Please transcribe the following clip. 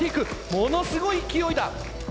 ものすごい勢いだ。